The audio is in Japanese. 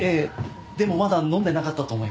でもまだ飲んでなかったと思います。